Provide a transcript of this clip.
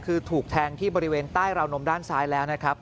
คือถูกแทงที่บริเวณใต้ราวนมด้านซ้ายแล้วนะครับ